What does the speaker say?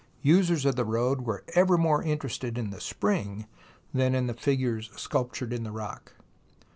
Users of the road were ever more interested in the spring than in the figures sculptured in the rock.